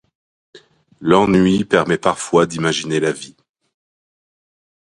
L'ennui permet parfois d'imaginer la vie.